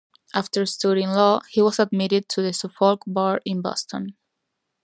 After studying law, he was admitted to the Suffolk Bar in Boston.